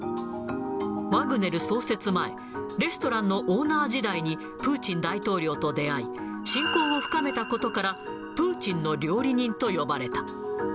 ワグネル創設前、レストランのオーナー時代にプーチン大統領と出会い、親交を深めたことから、プーチンの料理人と呼ばれた。